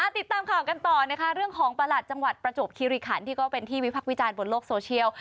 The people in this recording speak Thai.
ติดตามข่าวกันต่อนะคะเรื่องของประหลัดจังหวัดประจวบคิริขันที่ก็เป็นที่วิพักษ์วิจารณ์บนโลกโซเชียล